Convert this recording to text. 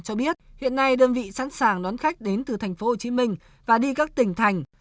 cho biết hiện nay đơn vị sẵn sàng đón khách đến từ tp hcm và đi các tỉnh thành